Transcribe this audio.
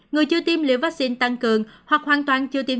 người chưa tiêm liều vaccine tăng cường hoặc hoàn toàn chưa tiêm